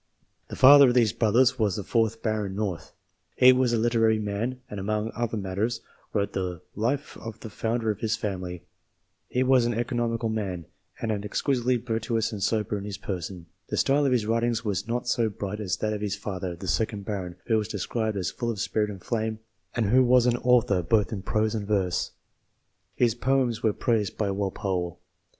The father of these brothers was the fourth Baron North. He was a literary man, and, among other matters, wrote the life of the founder of his family. He was an " eco nomical " man, and " exquisitely virtuous and sober in his person." The style of his writings was not so bright as that of his father, the second baron, who was described as full of spirit and flame, and who was an author both in prose and verse ; his poems were praised by Walpole.